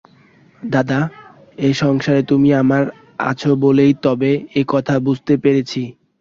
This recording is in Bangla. দাদা, এ সংসারে তুমি আমার আছ বলেই তবে এ কথা বুঝতে পেরেছি।